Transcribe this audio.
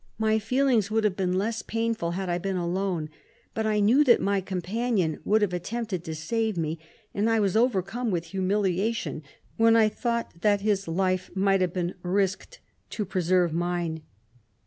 My feelings would have been less painful had 1 been alone; but I know that my companion would have aU tempted to save me, and I was over come with humiliation, when I thought that his life might have been risked to preserve mine.